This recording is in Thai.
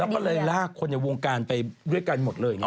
แล้วก็เลยลากคนในวงการไปด้วยกันหมดเลย